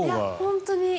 本当に。